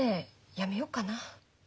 やめようかな。